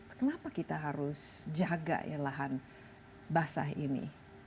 kenapa kita harus jaga ya lahan basah ini